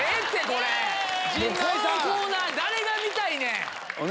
このコーナー誰が見たいねん！